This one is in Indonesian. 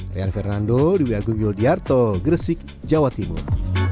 rian fernando di wiu agung yudiarto gresik jawa timur